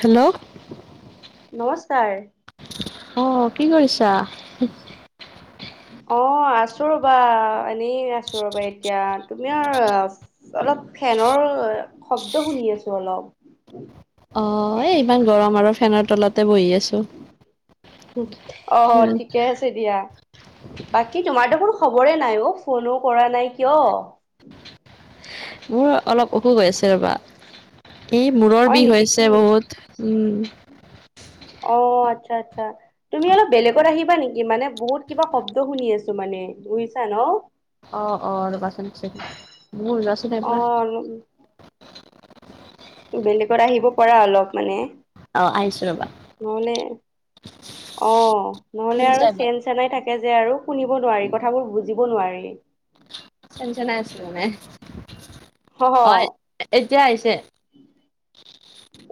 Hello. নমস্কাৰ। অ', কি কৰিছা? অ', আছো ৰ'বা, এনেই আছো ৰ'বা এতিয়া তুমি আৰু অলপ ফেনৰ শব্দ শুনি আছো অলপ। অ', এই ইমান গৰম আৰু ফেনৰ তলতে বহি আছো। অ', ঠিকে আছে দিয়া। বাকী তোমাৰতো কোনো খবৰে নাই অ', ফোনো কৰা নাই কিয়? মোৰ অলপ অসুখ হৈ আছে ৰ'বা। এই মূৰৰ হয় বিষ নেকি কি হৈছে বহুত, উম। অ', আচ্ছা, আচ্ছা। তুমি অলপ বেলেগত আহিবা নেকি মানে বহুত কিবা শব্দ শুনি আছো মানে, বুজিছা ন? অ', অ', ৰবাচোন এক চেকন, মুন আহ সোণ এইফালে আহ। [inaudible] বেলেগত আহিব পৰা অলপ মানে। অ আহিছো ৰবা নহলে, অ', নহ'লে শুনিছা আৰু এইবাৰ চেন চেনাই থাকে যে আৰু শুনিব নোৱাৰি, কথাবোৰ বুজিব নোৱাৰি। চেন চেনাই আচে নে, হ হ অ', এতিয়া আহিছে?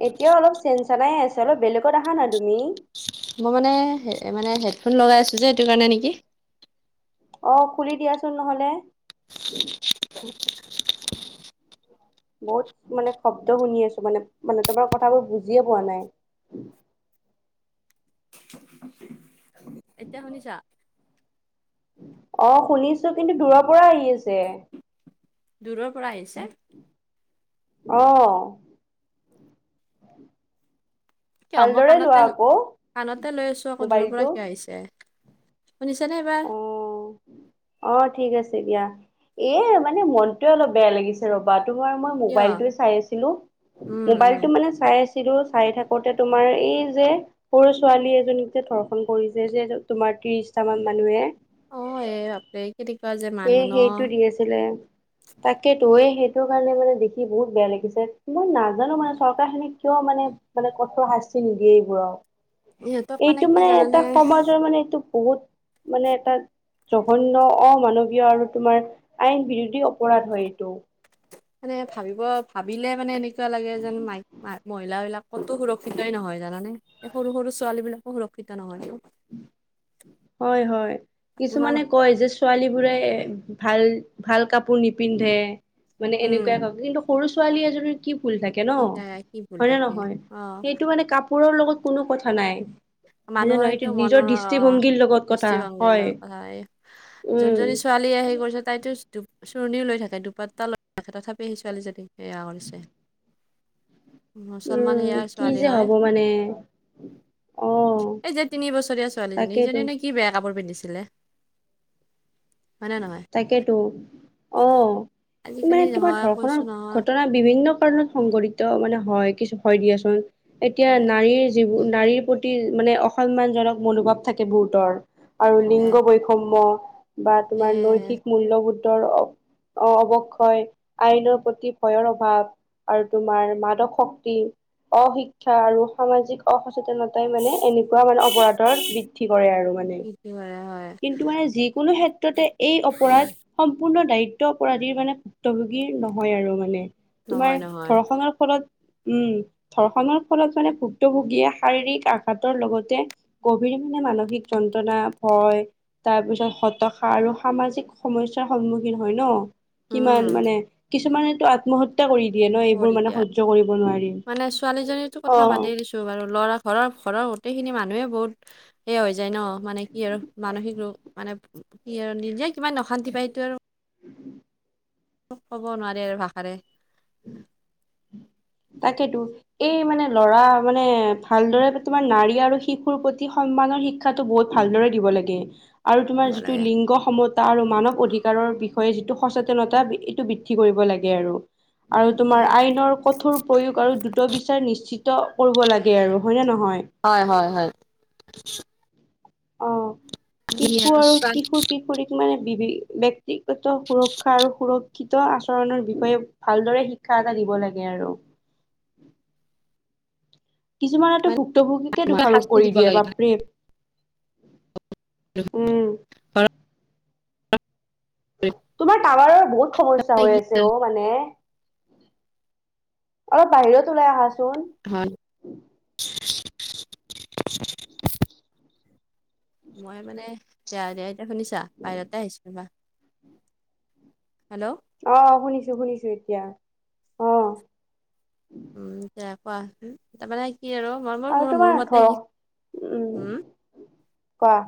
এতিয়াও অলপ চেন চনাই আছে অলপ বেলেগত আহা নাই তুমি। মই মানে, মানে হেডফোন লগাই আছো যে এইটো কাৰণে নেকি। অ', খুলি দিয়াচোন নহলে। [unintelligible] বহুত মানে শব্দ শুনি আছো মানে, মানে তোমাৰ কথাবোৰ বুজিয়ে পোৱা নাই। এতিয়া শুনিছা? অ', শুনিছো কিন্তু দূৰৰ পৰা আহি আছে। দূৰৰ পৰা আহিছে? অ'। কিয় মই ভালদৰে লোৱা আকৌ কাণতে-কাণতে লৈ আছো আকৌ দূৰৰ পৰা মোবাইলটো কিয় আহিছে? শুনিছানে এইবাৰ? অ', অ', ঠিক আছে দিয়া। এ মানে মনটোয়ে অলপ বেয়া লাগিছে। ৰবা তোমাৰ মই কিয় মোবাইলটোৱে চাই আছিলো। উম উম মোবাইলটো মানে চাই আ সেইটো চাই থাকোতে তোমাৰ এই যে সৰু ছোৱালী এজনীক যে ধৰ্ষণ কৰিছে যে তোমাৰ ত্ৰিশটা মান মানুহে অ', এ [unintelligible] যেন এই সেইটো দি আছিলে। তাকেতো, এই সেইটো কাৰণে মানে দেখি বহুত বেয়া লাগিছে। মই নাজানো মানে চৰকাৰ খনে কিয় মানে মানে কত শাস্তি নিদিয়ে এইবোৰ আৰু ইহঁতক এইটো কি মানে জানানে এটা সমাজৰ মানে এইটো বহুত মানে এটা জঘন্য অমানৱিক প্ৰয় আৰু তোমাৰ আইন বিৰোধী অপৰাধ হয় এইটো মানে ভাবিব ভাবিলে মানে এনেকুৱা লাগে যেন মাই মহিলাবলাক কতো সুৰক্ষিতই নহয় জানানে সৰু সৰু ছোৱালী বিলাকো সুৰক্ষিত নহয়। হয় হয় ইমান কিছুমানে কয় যে ছোৱালী বোৰে ভাল ভাল কাপোৰ নিপিন্ধে মানে উম এনেকুৱাই ক কিন্তু সৰু ছোৱালী এজনীৰ কি ভুল থাকে ন কি তাই কি ভুল হয়নে থাকে নহয় অ সেইটো মানে কাপোৰৰ লগত কোনো কথা নাই। হয় নে মানুহৰ নহয় এইটো নিজৰ মনৰ অ দৃষ্টিভংগীৰ লগত কথা দৃষ্টিভংগী হয় কথা এই উম যোনজনী ছোৱালী আহি গইছে তাইতো চোৰণিও লৈ থাকে দুপাত তাটা থাপেহি ছোৱালীজনীক বেয়া কৰিছে মুছলমান উম ইয়াৰ কি ছোৱালী যে হয় হ'ব মানে অ এই যে তিনি বছৰীয়া ছোৱালীজনী তাকেইতো সিজনীয়ে কি বেয়া কাপোৰ পিন্ধিছিলে? হয় নে নহয়? তাকেতো অ আজিকালি ইমানে তোমাৰ নহয় কৈছো ধৰ্ষণৰ নহয় ঘটনা বিভিন্ন কাৰণত সংঘটিত মানে হয় কিছু হয় দিয়াচোন এতিয়া হয় নাৰীৰ। যিবোৰ নাৰীৰ প্ৰতি মানে অসন্মানজনক মনোভাৱ থাকে বহুতৰ আৰু তাকে লিংগ বৈষম্য বা তোমাৰ সেয়ে নৈশিক মূল্য়বোধৰ অ অৱক্ষয় আইনৰ প্ৰতি ভয়ৰ অভাৱ আৰু তোমাৰ মাদক শক্তি অশিক্ষা আৰু সামাজিক অসচেতনতা মানে এনেকুৱা মানে অপৰাধৰ বৃদ্ধি কৰে আৰু মানে কি কি কৰে হয় কিন্তু মানে যিকোনো ক্ষেত্ৰতে এই অপৰাধ সম্পূৰ্ণ দায়িত্ব অপৰাধীৰ মানে ভুক্তভোগী নহয় আৰু মানে তোমাৰ নহয় নহয় ঘৰ্ষণৰ ফলত উম ধৰ্ষণৰ ফলত মানে ভুক্তভোগীয়ে শাৰীৰিক আঘাতৰ লগতে। গভীৰ মানে মানসিক যন্ত্ৰণা ভয় তাৰপিছত হতশ আৰু সামাজিক সমসাৰ সন্মুখীন হয় ন উম কিমান মানে কিছুমানেতটো আত্মহত্যা কৰি দিয়ে ন হ'ব এইবোৰ মানে তেতিয়া সহজ্ৰ কৰিব নোৱাৰি মানে ছোৱালীজনীতো কথা অ বাদেই দিছো বাৰু ল'ৰা ঘৰৰ ঘৰৰ গোটেইখিনি মানুহে বহুত এয়া হৈ যায় ন মানে কি আৰু মানসিক ৰোগ মানে কি আৰু নিজে কিমান অশান্তি পায়তটো আৰু উম কো ক'ব নোৱাৰে আৰু ভাষাৰে উম তাকে টোৰ এই মানে ল'ৰা মানে ভালদৰে তোমাৰ নাৰী আৰু শিশুৰ প্ৰতি সন্মানৰ শিক্ষা। শিক্ষাটো বহুত ভালদৰে দিব লাগে আৰু তোমাৰ দিব যিটো লাগে লিংগ সমত আৰু মানৱ অধিকাৰৰ বিষয়ে যিটো সচেতনতা এইটো বৃদ্ধি কৰিব লাগে আৰু আৰু তোমাৰ আইনৰ কঠোৰ আৰু দ্ৰু বিচাৰ নিশ্চিত কৰিব লাগে আৰু হয় নে নহয় হয় হয় হয় অ কি শিশু আৰু ছোৱালী কিশোৰ কি কৰি মানে বি ব্যয়ক্তিগত সুৰক্ষা আৰু সুৰ শিক্ষিত আচৰণৰ বিষয়ে ভালদৰে শিক্ষা এটা দিব লাগে আৰু কিছুমানতো ভুক্তভোগীকে মানে দোষাৰোপ শাস্তি কৰি দিব দিয়ে লাগে বাপৰে উম্। [unintelligible] তোমাৰ টাৱাৰৰ বহুত সমস্যা হৈ আছে অ' মানে অলপ বাহিৰত ওলাই আহাচোন। [unintelligible] মই মানে, দেয়া দেয়া এতিয়া শুনিছা, বাহিৰতে আহিছো ৰবা হেল্ল' অ' অ' শুনিছো শুনিছো এতিয়া অ' উম্ এতিয়া কোৱা তাৰমানে কি আৰু মই মোৰ আৰু মোৰ মোৰ তোমাৰ মতে কি ওঠৰ উ হম কোৱা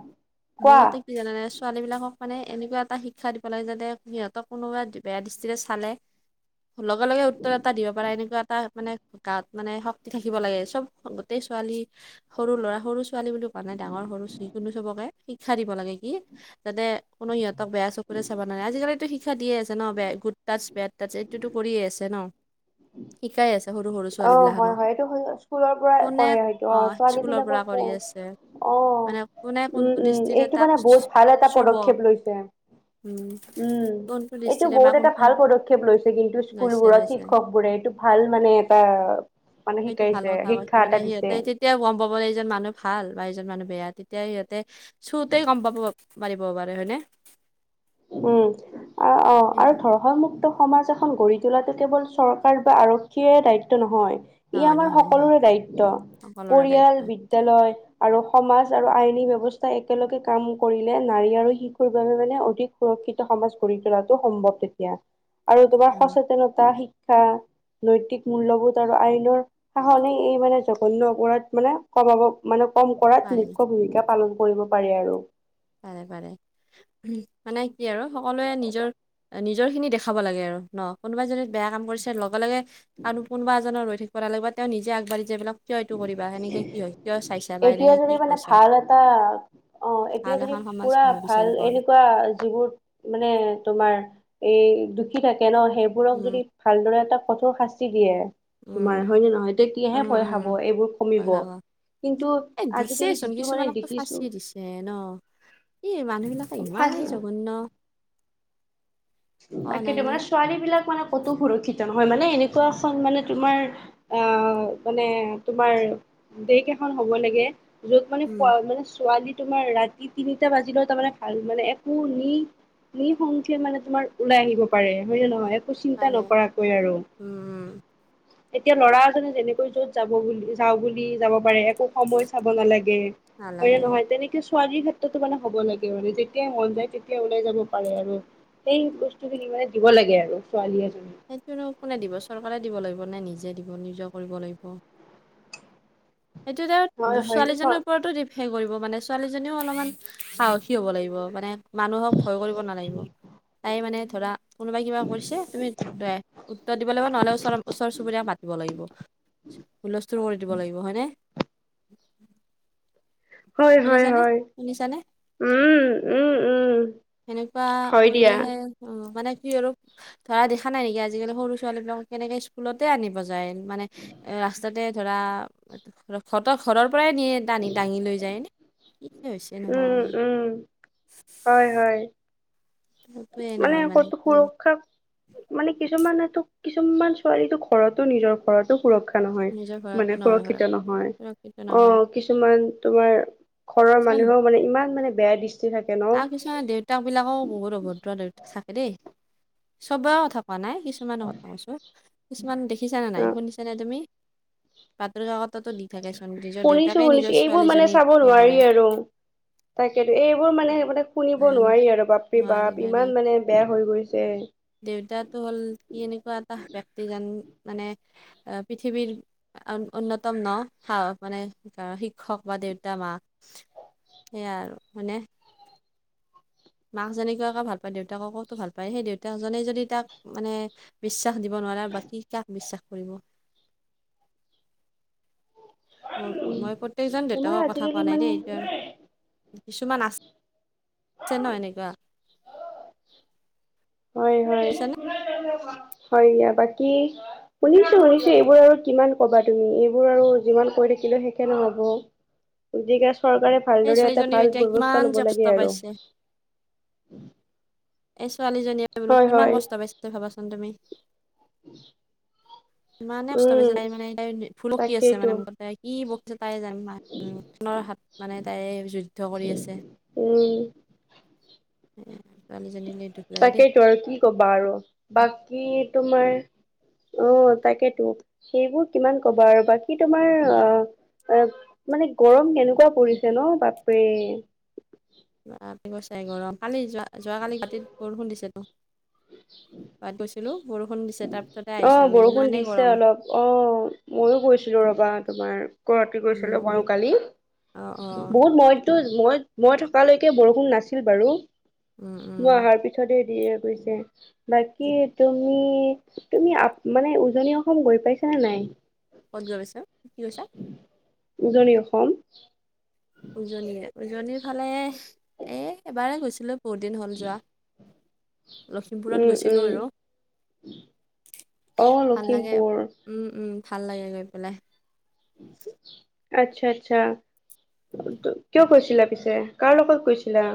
মোৰ কোৱা মতে কি জানানে ছোৱালী বিলাকক মানে এনেকুৱা এটা শিক্ষা দিব লাগে, যাতে সিহঁতক কোনোবা বেয়া দৃষ্টিৰে চালে লগে লগে উত্তৰ এটা দিব পাৰা এনেকুৱা এটা মানে গাত মানে শক্তি থাকিব লাগে চব গোটেই ছোৱালী সৰু ল'ৰা সৰু ছোৱালী বুলি কোৱা নাই, ডাঙৰ সৰু কোনো চবকে শিক্ষা দিব লাগে কি যাতে কোনো সিহঁতক বেয়া চকুৰে চাব নোৱাৰে। আজিকালি টো শিক্ষা দিয়ে আছে। ন গুড টাচ বেড টাচ এইটোতো কৰিয়ে আছে ন, শিকাই আছে। সৰু সৰু অ ছোৱালী বিলাখানক হয় হয় এইটো হয় স্কুলৰ পৰা কোনে কৰে। হয়তটো অ' ছোৱালী স্কুলৰ পৰা বিলাকক কৰি কো আছে অ', মানে কোনে উম্ কোনটো উম্ দৃষ্টিৰে এইটো তাক মানে বহুত ভাল এটা চুব পদক্ষেপ লৈছে। উম উম কোনটো এইটো দৃষ্টিৰে বা বহুত এটা কোনখন ভাল পদক্ষেপ লৈছে কিন্তু লৈছে স্কুলবোৰত লৈছে শিক্ষক বোৰে এইটো ভাল মানে এটা মানে সেইটো ভাল শিকাইছে, কথা কৈছে শিক্ষা মানে এটা দিছে। সিহঁতে তেতিয়া গম পাব এইজন মানুহ ভাল বা এজন মানুহ বেয়া তেতিয়া সিহঁতে চুতেই গম পাব। পাৰিব পাৰে হয়নে। উম আ অ' কিন্তু আৰু ধৰক ভয়মুক্ত সমাজ এখন গঢ়ি তোলাটো কেৱল চৰকাৰ বা আৰক্ষীয়ে দায়িত্ব নহয়। ই নহয় আমাৰ নহয় নহয় সকলোৰে দায়িত্ব। সকলোৰে দায়িত্ব পৰিয়াল, বিদ্যালয়। আৰু সমাজ আৰু আইনী ব্যৱস্থা একেলগে কাম কৰিলে নাৰী আৰু শিশুৰ বাবে মানে অধিক সুৰক্ষিত সমাজ গঢ়ি তোলাতোটো সম্ভৱ তেতিয়া আৰু তোমাৰ উম সচেতনতা শি শিক্ষা নৈতিক, মূল্যবোধ আৰু আইনৰ শাসনে এই মানে জঘন্য অপৰাধ মানে কমাব মানে কম কৰাত পাৰি মুখ্য ভূমিকা পালন কৰিব পাৰে আৰু। পাৰে পাৰে মানে, কি আৰু সকলোৱে নিজৰ নিজৰ খিনি দেখাব লাগে আৰু ন কোনোবাই যদি বেয়া কাম কৰিছে লগে লগে আৰু কোনোবা এজনো ৰৈ থাকিব নালাগিব বা তেওঁ নিজে আগবাঢ়ি যাবিলাক কিয় এইটো কৰিবা সেনেকে কি হয়, কিয় চাইছা বা এতিয়া এনেকে যদি কি মানে কৈছা। ভাল এটা অ' এতিয়া ভাল যদি এখন সমাজ পুৰা হ'ব ভাল বিচাৰিব আৰু এনেকুৱা যিবোৰ মানে তোমাৰ এই দুখী থাকে ন, সেইবোৰক উম যদি ভালদৰে এটা কঠোৰ শাস্তি দিয়ে। তোমাৰ উম হয়নে নহয় এতি কিহে উম প খাব উম এইবোৰ হয় কমিব। হয় হয় কিন্তু এ দিছে আজিকালি চোন যিটো মানে কিছুমানকো দেখিছো ফাঁচিয়ে দিছে ন, ই মানুহ বিলাক ইমানেই ফাঁচি জঘন্ন। তাকেই টো নে মানে ছোৱালী বিলাক মানে কতো সুৰক্ষিত নহয় মানে, এনেকুৱা এখন মানে তোমাৰ আহ মানে, তোমাৰ দেশ এখন হব লাগে। য'ত মানে, উম [unintelligible] মানে ছোৱালী তোমাৰ ৰাত তিনিটা বাজিলেও তাৰমানে ভাল, মানে একো নি নিঃ সংখ্যে মানে তোমাৰ ওলাই আহিব পাৰে হয় নে নহয়, একো চিন্তা পাৰে নকৰাকৈ আৰু। উম উম এতিয়া ল'ৰা এজনে যেনেকৈ য'ত যাব বুলি, যাওঁ বুলি যাব পাৰে। সময় চাব নালাগে হয় নালাগে নহয় তেনেকে ছোৱালীৰ ক্ষেত্ৰতো মানে হ'ব লাগে মানে যেতিয়াই মন যায় তেতিয়া ওলাই যাব পাৰে আৰু সেই বস্তু খিনি মানে দিব লাগে আৰু ছোৱালী এজনী সেইটো আৰু কোনে দিব চৰকাৰে দিব লাগিব নে নিজে দিব নিজে কৰিব লাগিব সেইটো তেওঁ হয় হয় এইটো চৰ ছোৱালীজনীৰ ওপৰতো দি হে কৰিব মানে ছোৱালীজনীও অলপমান সাহসী হ'ব লাগিব মানে মানুহক ভয় কৰিব নালাগিব তাই মানে ধৰা কোনোবাই কিবা কৰিছে তুমি উত্তৰ দিব লাগিব নহ'লে ওচৰ ওচৰ চুবুৰীয়াক মাতিব লাগিব হুলস্থুৰ কৰি দিব লাগিব হয়নে। হয় হয় শুনিছানে হয় শুনিছানে উম উম উম সেনেকুৱা হয় দিয়া কৰিলেহে। অ মানে কি আৰু ধৰা দেখা নাই নেকি আজিকালি সৰু ছোৱালী বিলাকক কেনেকে স্কুলতে আনিব। মানে এ ৰাস্তাতে ধৰা সত ঘৰৰ পৰাই নিয়ে। টানি দাঙি লৈ যায় নে কি যে হৈছে উম নহয়। উম হয় হয়। সেইটোৱে মানে নহয় কতো কি সুৰক্ষা। মানে কিছুমানেতো কিছুমান ছোৱালীটো ঘৰতো নিজৰ ঘৰতো। সুৰক্ষা নহয় নিজৰ ভাড়াটো মানে নহয় ভাড়াত সুৰক্ষিত সুৰক্ষিত নহয়। নহয় অ কিছুমান তোমাৰ ঘৰৰ কিছুমান মানুহেও মানে ইমান মানে বেয়া দৃষ্টি থাকে ন। আৰু দেউতাক বিলাকো বহুত অভদ্ৰ দেউতাক থাকে দেই। চবৰে কথা কোৱা নাই কিছুমানৰ কথা কৈছো। কিছুমান দেখিছা নে অ নাই শুনিছানে তুমি। বাতৰি কাকততো দি থাকেচোন নিজৰ শুনিছো দেউতাকে শুনিছো নিজৰ এইবোৰ মানে ছোৱালীজনীক চাব হেৰি নোৱাৰি কৰে। আৰু। তাকেতো এইবোৰ মানে মানে শুনিব আহ, নোৱাৰি আৰু বাপৰে নোৱাৰি বাপ নোৱাৰি ইমান মানে। বেয়া হৈ গৈছে। দেউতাটো হ'ল কি এনেকুৱা এটা ব্যক্তি যেন মানে এ পৃথিৱীৰ অন্যতম ন সা মানে শিক্ষক বা দেউতা মা সেয়া আৰু হয়নে মাক যেনেকোৱাকে ভাল পায় দেউতাককো ভাল পায় সেই দেউতা জনে যদি তাক মানে। বিশ্বাস দিব নোৱাৰে বাকী কাক বিশ্বাস কৰিব। ম মই প্ৰত্যেকজন তোমাৰ দেউতাকৰ কথা আজিকালি কোৱা নাই মানে দেই এইটো আৰু কিছুমান আছে আছে ন এনেকুৱা। হয় হয় বুজিছানে হয় আ বাকী। শুনিছো শুনিছো এইবোৰ আৰু কিমান কবা তুমি এইবোৰ আৰু যিমান কৈ থাকিলেও শেষে নহব। গতিকে চৰকাৰে এই ভালদৰে এটা ছোৱালীজনী ভাল এতিয়া কিমান ব্যৱস্থা যে লব কষ্ট লাগে আৰু পাইছে এই ছোৱালীজনীয়ে বোলো হয় কিমান হয়। কষ্ট পাইছে ত ভাবাচোন তুমি। ইমানে কষ্ট পাইছে উম তাই মানে তাই ভুলবকি আছে তাকেইতো। মানে মুখে তাই কি বকিছে তাই জানিব মা [inaudible] নৰ হাত মানে তাই যুদ্ধ কৰি আছে। উম। ছোৱালীজনী লে তাকেইতো আৰু কি কবা আৰু বাকী তোমাৰ অ তাকেতো সেইবোৰ কিমান কবা আৰু বাকী তোমাৰ আ এ মানে গৰম কেনেকুৱা পৰিছে ন বাপৰে। ৰা কৈ চাই গৰম কালি যোৱা যোৱাকালি ৰাতিত বৰষুণ দিছে তো তাত গৈছিলো। অঁ', বৰষুণ দিছে গৰম অলপ অঁ। মইও গৈছিলো ৰ'বা তোমাৰ গুৱাহাটী উম গৈছিলো উম মইও কালি, অ অ বহুত মই- থকালৈকে বৰষুণ নাছিল বাৰু। উম উম গুৱাহাটীত- তা'তে দিয়ে গৈছে। বাকী তুম তুমি, তুমি আপ মানে উজনি অসম গৈ পাইছা নে নাই? ক'ত গৈ পাইছো, কি কৈছা? উজনি অসম। উজনিলে, উজনিৰ ফালে এ' এবাৰে গৈছিলো বহুত দিন হ'ল যোৱা। লখিমপুৰত উম গৈছিলো উম আৰু অ ভাল লাগে। লখিমপুৰ উমঁ-উমঁ ভাল লাগে গৈ পেলাই। আচ্ছা-আচ্ছা। ত' কিয় গৈছিলা পিছে, কাৰ লগত গৈছিলা?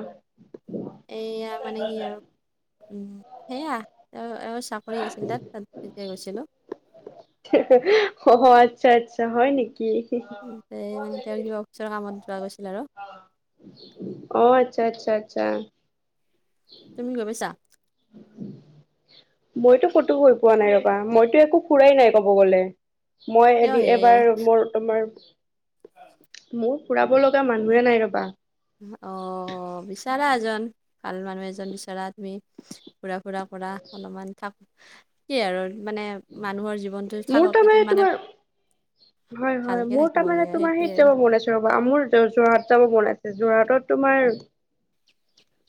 এইয়া মানে কি আৰু উম' সেয়া আৰু চা- কৰি আছিল তা'ত, তা'ত তেতিয়া গৈছিলোঁ। অহ', - আচ্ছা-আচ্ছা হয় নেকি। তা'তে তেওঁৰ কিবা অফিচৰ কামত যোৱা গৈছিল আৰু। অ', - আচ্ছা-আচ্ছা-আচ্ছা। তুমি গৈ পাইছা? মইতো ক'তো হৈ পোৱা নাই ৰ'বা, মইতো একো ফুৰাই নাই কব গ'লে। মই কিয় এদি হে এবাৰ মোৰ- তোমাৰ, মোৰ ফুৰাব লগা মানুহে নাই ৰ'বা। অ', বিচাৰা এজন ভাল মানুহ এজন বিচাৰ। তমি ঘুৰা-ফুৰা কৰা অলপমান থাকা কি আৰু। মানে মানুহৰ জীৱনটো থাকক সেইটো মানে- হয়-হয়, ভালকে মোৰ তাৰ থাকিব মানে লাগে তোমাৰ সেইটোৱে সেইত যাব আৰু ভনেশ্বৰ পৰা মোৰ। যোৰহাট যাব মনাইছে, যোৰহাটত তোমাৰ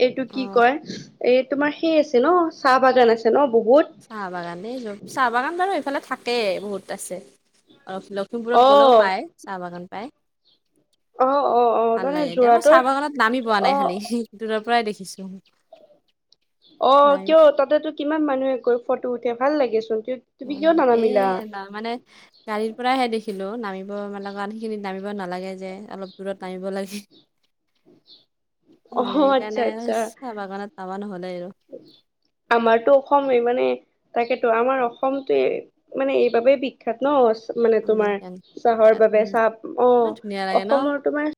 এইটো অ কি কয়- এই তোমাৰ সেই আছে ন' চাহ-বাগান আছে ন' বহুত। চাহ-বাগানেই, চাহ-বাগান বাৰু এইফালে থাকেই বহুত আছে। অলপ-অলপ- লখিমপুৰত অ গ'লেও পাই অ চাহ বাগান পাই। অ অ ভাল তাৰমানে লাগে তেতিয়া, মই যোৰহাটত চাহ-বাগানত নামি পোৱা নাই অ খালি দূৰৰ পৰাই দেখিছো। অ' নাই কিয়? তা'তে তো কিমান মানুহে গৈ ফটো উঠে ভাল লাগে চোন, তুমি পোৱা। কিয় নানামিলা? এই না মানে- গাড়ীৰ পৰাইহে দেখিলো নামিব মেলে কাৰণ সেইখিনিত নামিব নালাগে যে অলপ দূৰত নামিব লাগে। [unintelligible] মানে অহ', - সেইকাৰণে আচ্ছা-আচ্ছা। চাহ বাগানত আমাৰ নো নহ'লে আৰু আমাৰতো অসমেই মানে। তাকেতো, আমাৰ অসমটোৱে মানে এইবাবেই বি- বখ্যাত ন' মানে তোমাৰ বিজ্ঞান চাহৰ শিক্ষাত বাবে উম চাহ। অ' ইমান ধুনীয়া লাগে ন অসমৰ তোমাৰ